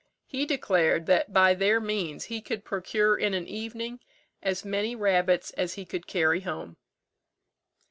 He declared, that by their means he could procure in an evening as many rabbits as he could carry home."